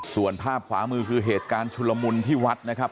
ส่วนภาพขวามือคือเหตุการณ์ชุลมุนที่วัดนะครับ